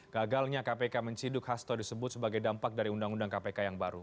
gagalnya kpk menciduk hasto disebut sebagai dampak dari undang undang kpk yang baru